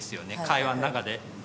会話の中で。